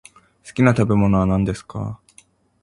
好きな食べ物は何ですか？